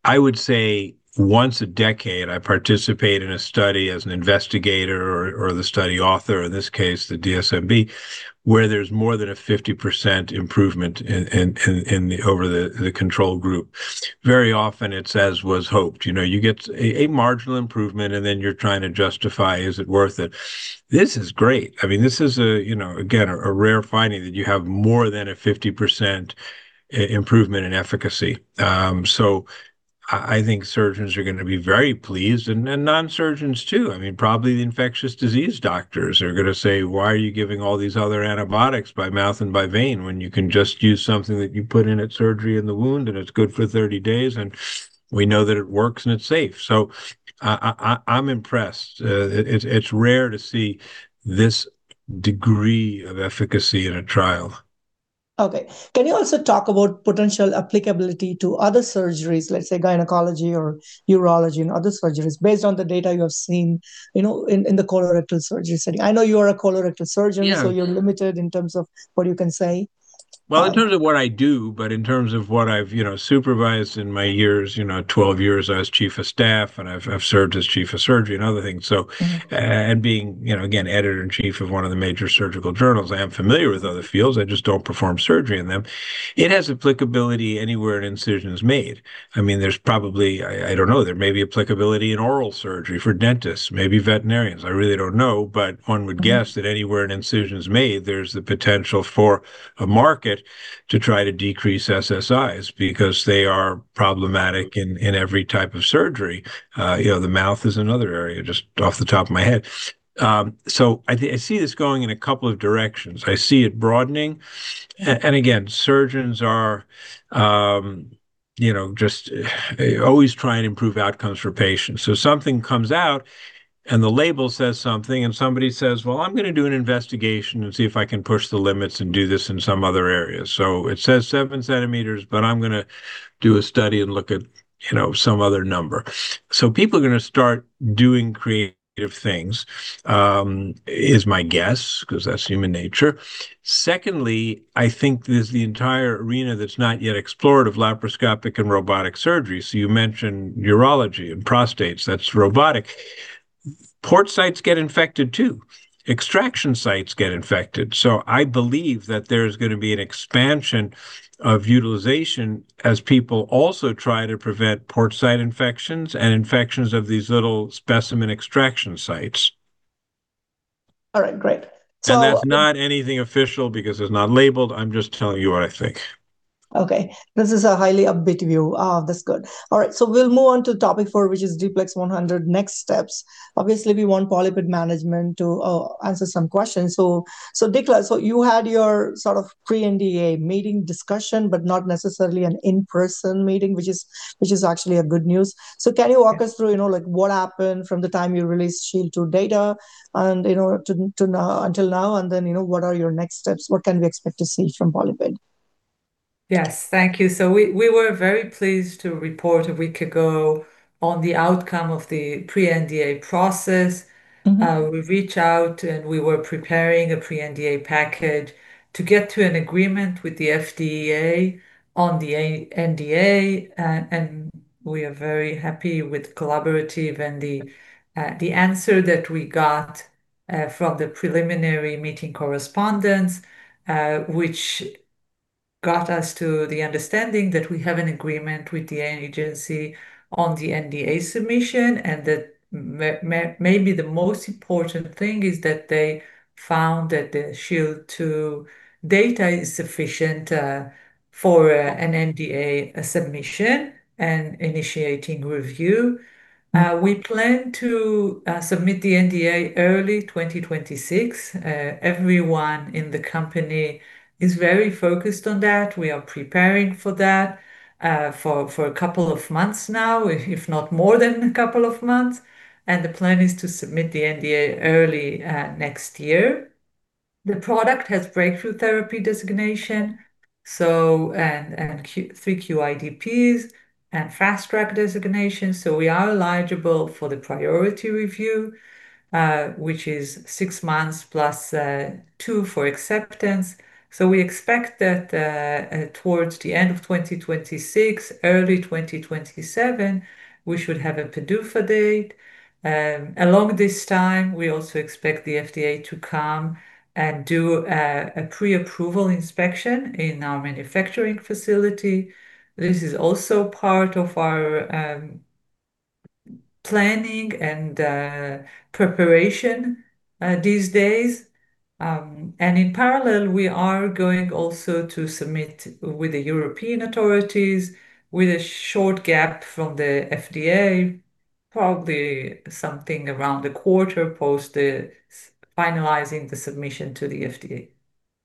I would say once a decade, I participate in a study as an investigator or the study author, in this case, the DSMB, where there's more than a 50% improvement over the control group. Very often, it's as was hoped. You get a marginal improvement, and then you're trying to justify, is it worth it? This is great. I mean, this is, again, a rare finding that you have more than a 50% improvement in efficacy. So I think surgeons are going to be very pleased and nonsurgeons too. I mean, probably the infectious disease doctors are going to say, "Why are you giving all these other antibiotics by mouth and by vein when you can just use something that you put in at surgery in the wound, and it's good for 30 days, and we know that it works and it's safe?" So I'm impressed. It's rare to see this degree of efficacy in a trial. Okay. Can you also talk about potential applicability to other surgeries, let's say gynecology or urology and other surgeries, based on the data you have seen in the colorectal surgery setting? I know you are a colorectal surgeon, so you're limited in terms of what you can say. Well, in terms of what I do, but in terms of what I've supervised in my years, 12 years as chief of staff, and I've served as chief of surgery and other things. And being, again, editor-in-chief of one of the major surgical journals, I am familiar with other fields. I just don't perform surgery in them. It has applicability anywhere an incision is made. I mean, there's probably, I don't know, there may be applicability in oral surgery for dentists, maybe veterinarians. I really don't know, but one would guess that anywhere an incision is made, there's the potential for a market to try to decrease SSIs because they are problematic in every type of surgery. The mouth is another area, just off the top of my head. So I see this going in a couple of directions. I see it broadening. And again, surgeons are just always trying to improve outcomes for patients. So something comes out, and the label says something, and somebody says, "Well, I'm going to do an investigation and see if I can push the limits and do this in some other areas." So it says seven centimeters, but I'm going to do a study and look at some other number. So people are going to start doing creative things, is my guess, because that's human nature. Secondly, I think there's the entire arena that's not yet explored of laparoscopic and robotic surgery. So you mentioned urology and prostates. That's robotic. Port sites get infected too. Extraction sites get infected. So I believe that there's going to be an expansion of utilization as people also try to prevent port site infections and infections of these little specimen extraction sites. All right, great. And that's not anything official because it's not labeled. I'm just telling you what I think. Okay. This is a highly upbeat view. That's good. All right. So we'll move on to the topic four, which is D-PLEX100 next steps. Obviously, we want PolyPid management to answer some questions. So Dikla, so you had your sort of pre-NDA meeting discussion, but not necessarily an in-person meeting, which is actually good news. So can you walk us through what happened from the time you released SHIELD II data until now? And then what are your next steps? What can we expect to see from PolyPid? Yes, thank you, so we were very pleased to report a week ago on the outcome of the pre-NDA process. We reached out, and we were preparing a pre-NDA package to get to an agreement with the FDA on the NDA, and we are very happy with the collaboration and the answers that we got from the preliminary meeting correspondence, which got us to the understanding that we have an agreement with the agency on the NDA submission, and maybe the most important thing is that they found that the SHIELD II data is sufficient for an NDA submission and initiating review, we plan to submit the NDA early 2026. Everyone in the company is very focused on that, we are preparing for that for a couple of months now, if not more than a couple of months, and the plan is to submit the NDA early next year. The product has breakthrough therapy designation and three QIDPs and fast-track designation. So we are eligible for the priority review, which is six months plus two for acceptance. So we expect that towards the end of 2026, early 2027, we should have a PDUFA date. Along this time, we also expect the FDA to come and do a pre-approval inspection in our manufacturing facility. This is also part of our planning and preparation these days. And in parallel, we are going also to submit with the European authorities with a short gap from the FDA, probably something around a quarter post finalizing the submission to the FDA.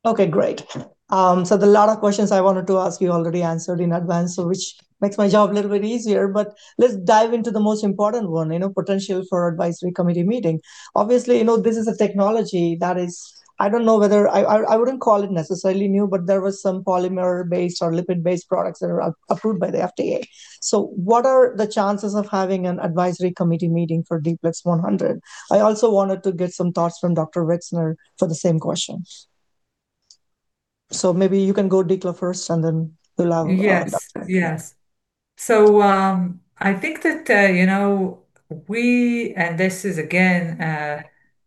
Okay, great. So a lot of questions I wanted to ask you already answered in advance, which makes my job a little bit easier. But let's dive into the most important one, potential for advisory committee meeting. Obviously, this is a technology that is, I don't know whether I wouldn't call it necessarily new, but there were some polymer-based or lipid-based products that are approved by the FDA. So what are the chances of having an advisory committee meeting for D-PLEX100? I also wanted to get some thoughts from Dr. Wexner for the same question. So maybe you can go, Dikla, first, and then we'll have a roundabout. Yes. Yes, so I think that we, and this is, again,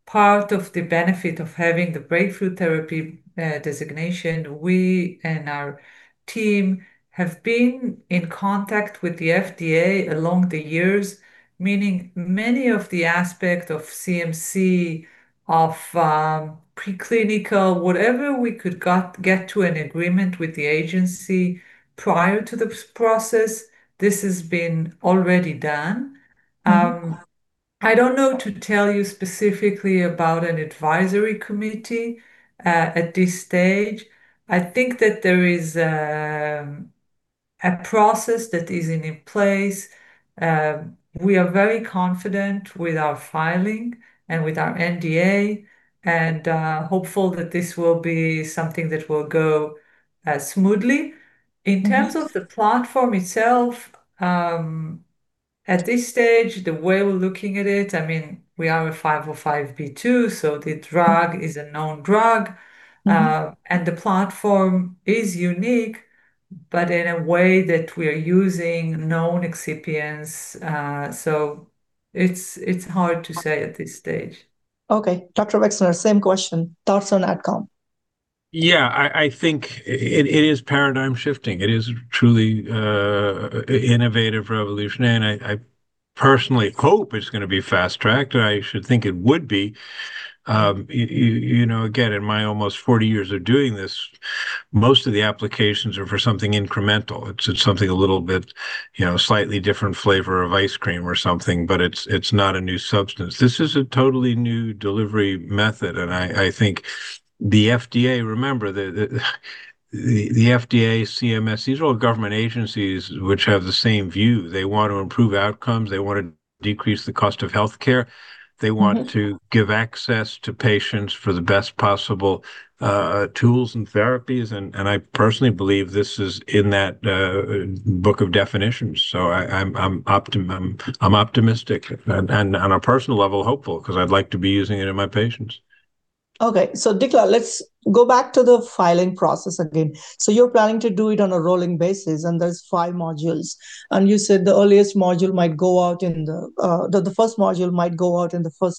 part of the benefit of having the breakthrough therapy designation. We and our team have been in contact with the FDA along the years, meaning many of the aspects of CMC, of preclinical, whatever we could get to an agreement with the agency prior to the process, this has been already done. I don't know to tell you specifically about an advisory committee at this stage. I think that there is a process that is in place. We are very confident with our filing and with our NDA and hopeful that this will be something that will go smoothly. In terms of the platform itself, at this stage, the way we're looking at it, I mean, we are a 505(b)(2), so the drug is a known drug. And the platform is unique, but in a way that we are using known excipients. So it's hard to say at this stage. Okay. Dr. Wexner, same question. Thoughts on outcome? Yeah, I think it is paradigm shifting. It is truly innovative, revolutionary. And I personally hope it's going to be fast-tracked. I should think it would be. Again, in my almost 40 years of doing this, most of the applications are for something incremental. It's something a little bit slightly different flavor of ice cream or something, but it's not a new substance. This is a totally new delivery method. And I think the FDA, remember, the FDA, CMS, these are all government agencies which have the same view. They want to improve outcomes. They want to decrease the cost of healthcare. They want to give access to patients for the best possible tools and therapies. And I personally believe this is in that book of definitions. So I'm optimistic and on a personal level, hopeful, because I'd like to be using it in my patients. Okay, so Dikla, let's go back to the filing process again, so you're planning to do it on a rolling basis, and there's five modules, and you said the earliest module might go out in the first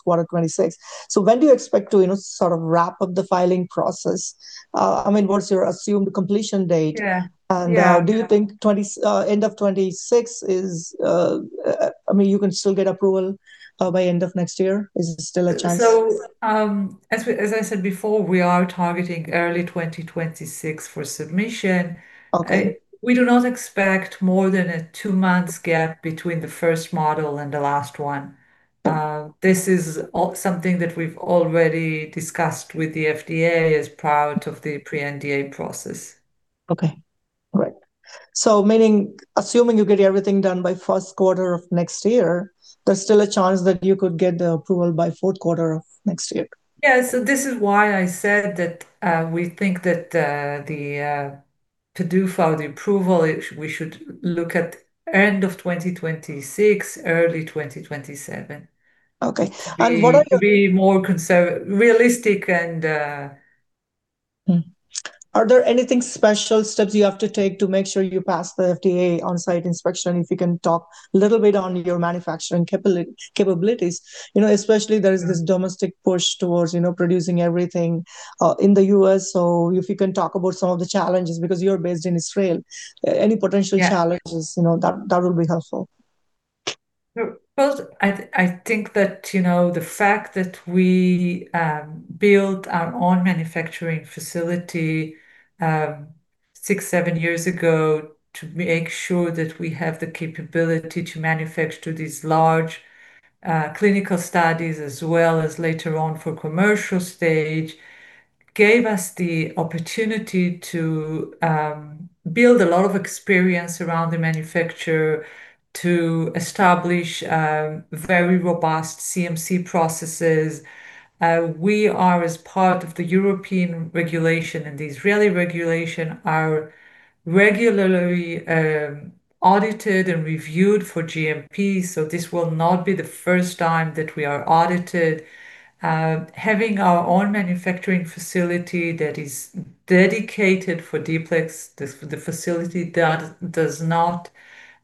quarter 2026, so when do you expect to sort of wrap up the filing process? I mean, what's your assumed completion date? And do you think end of 2026 is, I mean, you can still get approval by end of next year? Is there still a chance? So as I said before, we are targeting early 2026 for submission. And we do not expect more than a two-month gap between the first module and the last one. This is something that we've already discussed with the FDA as part of the pre-NDA process. Okay. All right. So, meaning, assuming you get everything done by first quarter of next year, there's still a chance that you could get the approval by fourth quarter of next year? Yeah. So this is why I said that we think that the PDUFA, the approval, we should look at end of 2026, early 2027. Okay. And what are your? We should be more realistic and. Are there any special steps you have to take to make sure you pass the FDA on-site inspection? If you can talk a little bit on your manufacturing capabilities, especially there is this domestic push towards producing everything in the U.S. So if you can talk about some of the challenges because you're based in Israel, any potential challenges, that would be helpful. I think that the fact that we built our own manufacturing facility six, seven years ago to make sure that we have the capability to manufacture these large clinical studies as well as later on for commercial stage gave us the opportunity to build a lot of experience around the manufacturer to establish very robust CMC processes. We are, as part of the European regulation and the Israeli regulation, regularly audited and reviewed for GMP. So this will not be the first time that we are audited. Having our own manufacturing facility that is dedicated for D-PLEX100, the facility that does not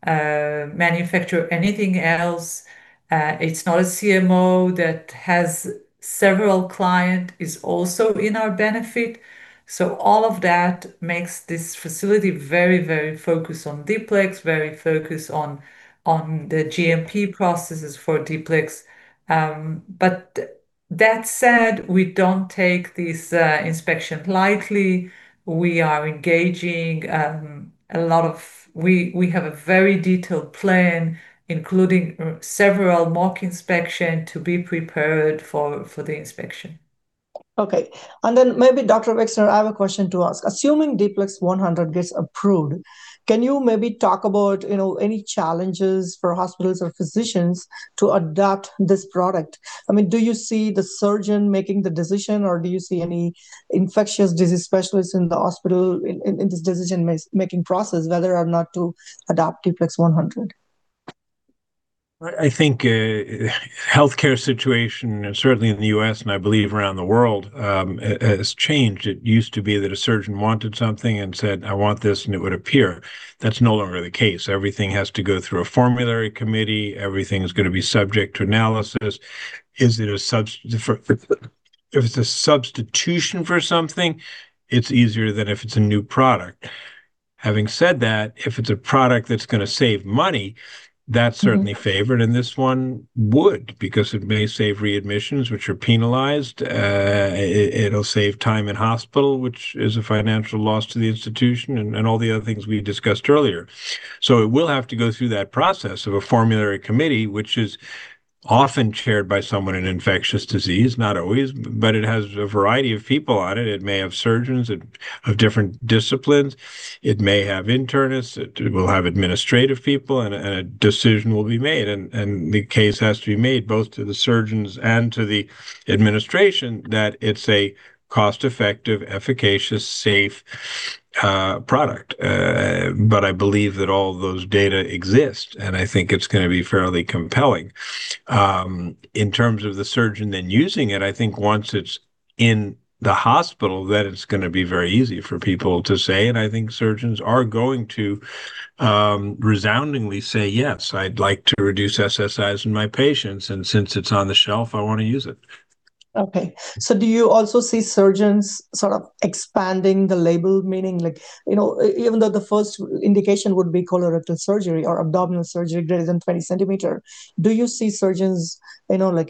manufacture anything else, it's not a CMO that has several clients, is also in our benefit. So all of that makes this facility very, very focused on D-PLEX100, very focused on the GMP processes for D-PLEX100. But that said, we don't take this inspection lightly. We have a very detailed plan, including several mock inspections to be prepared for the inspection. Okay, and then maybe, Dr. Wexner, I have a question to ask. Assuming D-PLEX100 gets approved, can you maybe talk about any challenges for hospitals or physicians to adopt this product? I mean, do you see the surgeon making the decision, or do you see any infectious disease specialists in the hospital in this decision-making process, whether or not to adopt D-PLEX100? I think the healthcare situation, certainly in the U.S. and I believe around the world, has changed. It used to be that a surgeon wanted something and said, "I want this," and it would appear. That's no longer the case. Everything has to go through a formulary committee. Everything is going to be subject to analysis. If it's a substitution for something, it's easier than if it's a new product. Having said that, if it's a product that's going to save money, that's certainly favored in this one would because it may save readmissions, which are penalized. It'll save time in hospital, which is a financial loss to the institution and all the other things we discussed earlier. So it will have to go through that process of a formulary committee, which is often chaired by someone in infectious disease, not always, but it has a variety of people on it. It may have surgeons of different disciplines. It may have internists. It will have administrative people, and a decision will be made, and the case has to be made both to the surgeons and to the administration that it's a cost-effective, efficacious, safe product, but I believe that all of those data exist, and I think it's going to be fairly compelling. In terms of the surgeon then using it, I think once it's in the hospital, then it's going to be very easy for people to say, and I think surgeons are going to resoundingly say, "Yes, I'd like to reduce SSIs in my patients. And since it's on the shelf, I want to use it. Okay. So do you also see surgeons sort of expanding the label, meaning even though the first indication would be colorectal surgery or abdominal surgery greater than 20 cm, do you see surgeons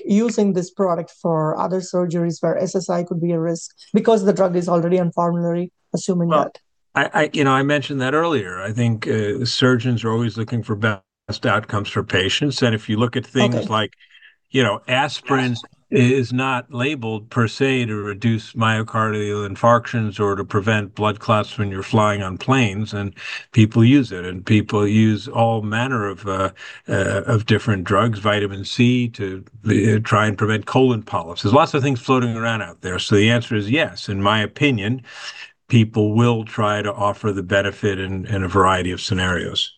using this product for other surgeries where SSI could be a risk because the drug is already on formulary, assuming that? I mentioned that earlier. I think surgeons are always looking for best outcomes for patients. And if you look at things like Aspirin is not labeled per se to reduce myocardial infarctions or to prevent blood clots when you're flying on planes, and people use it. And people use all manner of different drugs, vitamin C, to try and prevent colon polyps. There's lots of things floating around out there. So the answer is yes. In my opinion, people will try to offer the benefit in a variety of scenarios.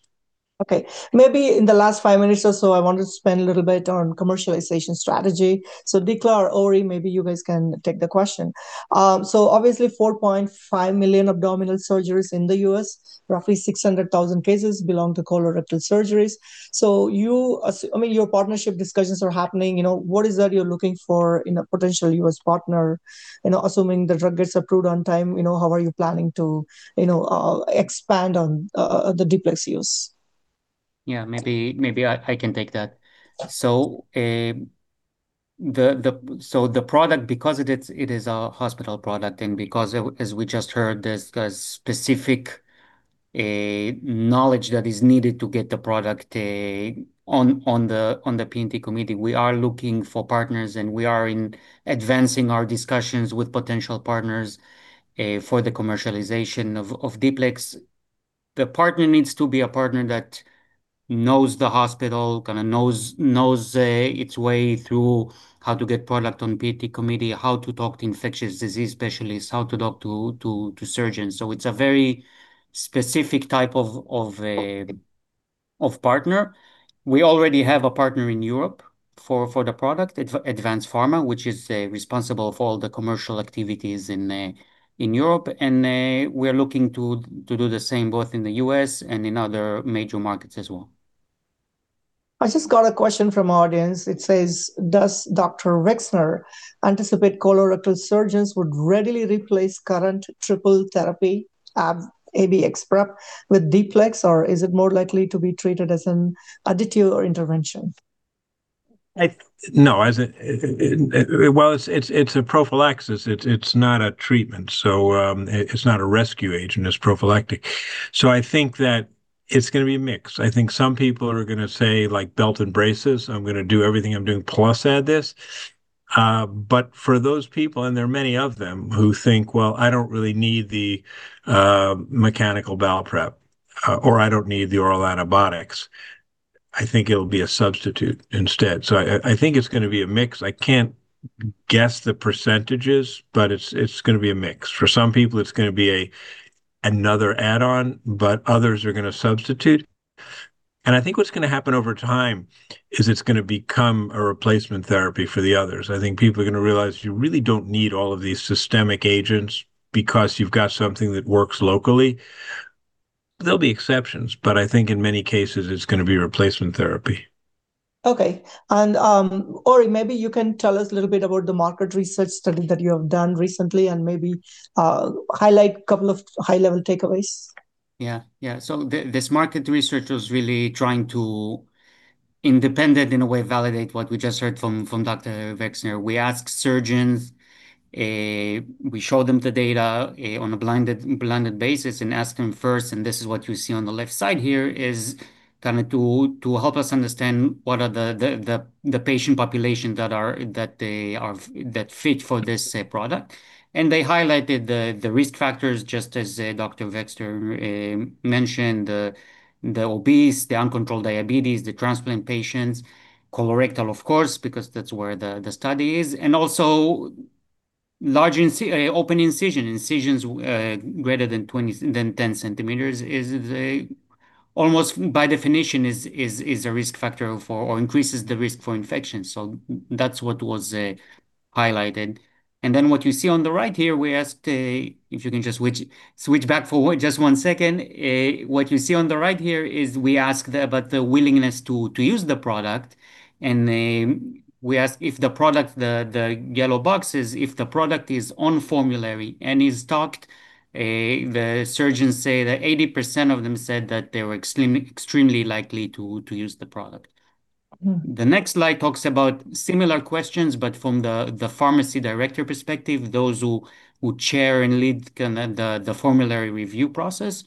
Okay. Maybe in the last five minutes or so, I want to spend a little bit on commercialization strategy. So Dikla or Ori, maybe you guys can take the question. So obviously, 4.5 million abdominal surgeries in the U.S., roughly 600,000 cases belong to colorectal surgeries. So I mean, your partnership discussions are happening. What is that you're looking for in a potential U.S. partner? Assuming the drug gets approved on time, how are you planning to expand on the D-PLEX100 use? Yeah, maybe I can take that. So the product, because it is a hospital product and because, as we just heard, there's specific knowledge that is needed to get the product on the P&T committee. We are looking for partners, and we are advancing our discussions with potential partners for the commercialization of D-PLEX100. The partner needs to be a partner that knows the hospital, kind of knows its way through how to get product on P&T committee, how to talk to infectious disease specialists, how to talk to surgeons. So it's a very specific type of partner. We already have a partner in Europe for the product, ADVANZ PHARMA, which is responsible for all the commercial activities in Europe. And we're looking to do the same both in the U.S. and in other major markets as well. I just got a question from audience. It says, "Does Dr. Wexner anticipate colorectal surgeons would readily replace current triple therapy, ABX prep, with D-PLEX100, or is it more likely to be treated as an additive or intervention? No. Well, it's a prophylaxis. It's not a treatment. So it's not a rescue agent. It's prophylactic. So I think that it's going to be a mix. I think some people are going to say, "Belt and braces. I'm going to do everything I'm doing plus add this." But for those people, and there are many of them who think, "Well, I don't really need the mechanical bowel prep," or, "I don't need the oral antibiotics," I think it'll be a substitute instead. So I think it's going to be a mix. I can't guess the percentages, but it's going to be a mix. For some people, it's going to be another add-on, but others are going to substitute. And I think what's going to happen over time is it's going to become a replacement therapy for the others. I think people are going to realize you really don't need all of these systemic agents because you've got something that works locally. There'll be exceptions, but I think in many cases, it's going to be replacement therapy. Okay, and Ori, maybe you can tell us a little bit about the market research study that you have done recently and maybe highlight a couple of high-level takeaways. Yeah. Yeah. So this market research was really trying to independently, in a way, validate what we just heard from Dr. Wexner. We asked surgeons, we showed them the data on a blinded basis and asked them first, "And this is what you see on the left side here," kind of to help us understand what are the patient population that fit for this product. And they highlighted the risk factors, just as Dr. Wexner mentioned, the obese, the uncontrolled diabetes, the transplant patients, colorectal, of course, because that's where the study is, and also large open incisions, incisions greater than 10 centimeters, almost by definition is a risk factor or increases the risk for infection. So that's what was highlighted. And then what you see on the right here, we asked if you can just switch back for just one second. What you see on the right here is we asked about the willingness to use the product. And we asked if the product, the yellow boxes, if the product is on formulary and is talked, the surgeons say that 80% of them said that they were extremely likely to use the product. The next slide talks about similar questions, but from the pharmacy director perspective, those who chair and lead the formulary review process.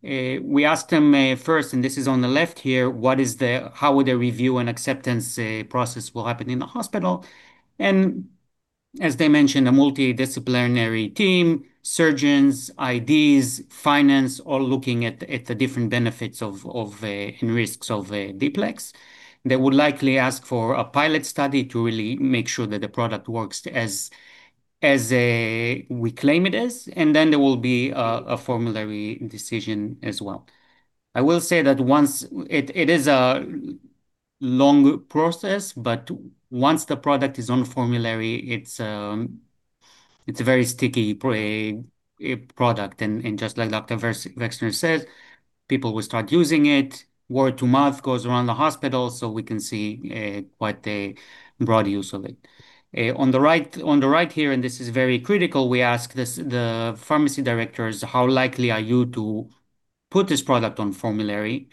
We asked them first, and this is on the left here, how would a review and acceptance process happen in the hospital? And as they mentioned, a multidisciplinary team, surgeons, IDs, finance, all looking at the different benefits and risks of D-PLEX100. They would likely ask for a pilot study to really make sure that the product works as we claim it is. And then there will be a formulary decision as well. I will say that it is a long process, but once the product is on formulary, it's a very sticky product. And just like Dr. Wexner says, people will start using it. Word of mouth goes around the hospital, so we can see quite the broad use of it. On the right here, and this is very critical, we asked the pharmacy directors, "How likely are you to put this product on formulary?"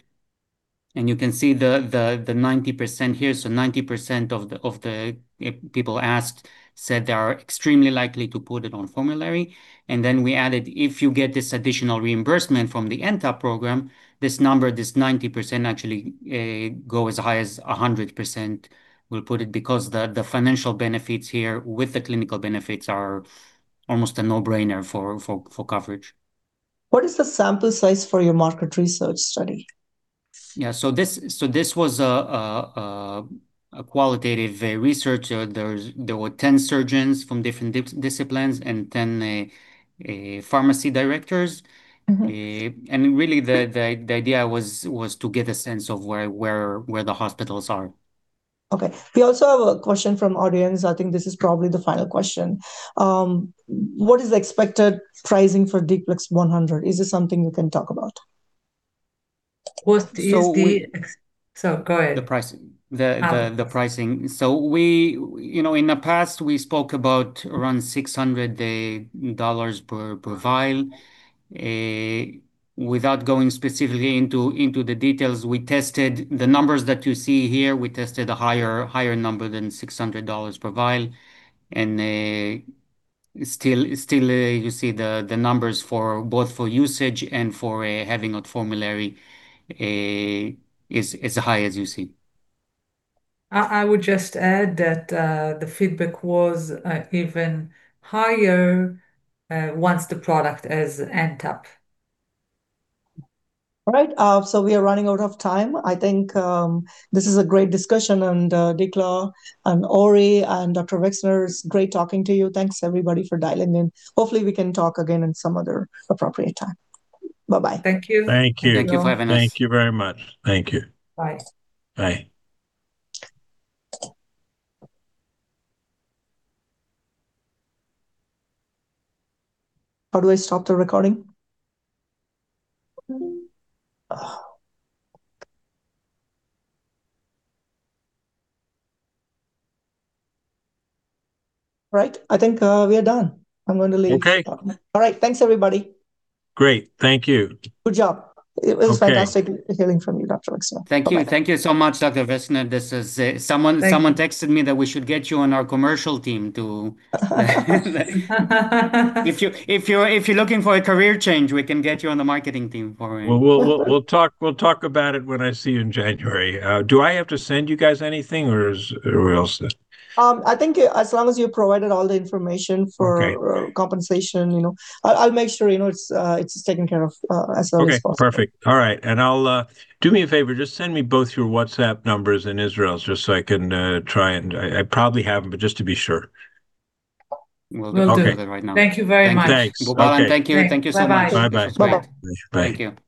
And you can see the 90% here. So 90% of the people asked said they are extremely likely to put it on formulary. And then we added, "If you get this additional reimbursement from the NTAP program, this number, this 90%, actually go as high as 100%." We'll put it because the financial benefits here with the clinical benefits are almost a no-brainer for coverage. What is the sample size for your market research study? Yeah, so this was a qualitative research. There were 10 surgeons from different disciplines and 10 pharmacy directors, and really, the idea was to get a sense of where the hospitals are. Okay. We also have a question from audience. I think this is probably the final question. What is the expected pricing for D-PLEX100? Is this something you can talk about? So go ahead. The pricing. So in the past, we spoke about around $600 per vial. Without going specifically into the details, we tested the numbers that you see here. We tested a higher number than $600 per vial. And still, you see the numbers both for usage and for having it formulary is as high as you see. I would just add that the feedback was even higher once the product is NTAP. All right. So we are running out of time. I think this is a great discussion. And Dikla, and Ori, and Dr. Wexner, it's great talking to you. Thanks, everybody, for dialing in. Hopefully, we can talk again at some other appropriate time. Bye-bye. Thank you. Thank you. Thank you for having us. Thank you very much. Thank you. Bye. Bye. How do I stop the recording? All right. I think we are done. I'm going to leave. Okay. All right. Thanks, everybody. Great. Thank you. Good job. It was fantastic hearing from you, Dr. Wexner. Thank you. Thank you so much, Dr. Wexner. Someone texted me that we should get you on our commercial team too. If you're looking for a career change, we can get you on the marketing team for it. We'll talk about it when I see you in January. Do I have to send you guys anything, or else? I think as long as you provided all the information for compensation, I'll make sure it's taken care of as well. Okay. Perfect. All right, and do me a favor. Just send me both your WhatsApp numbers in Israel just so I can try and I probably have them, but just to be sure. We'll go through them right now. Thank you very much. Thanks. Bye-bye. Thank you. Thank you so much. Bye-bye. Bye-bye. Thank you.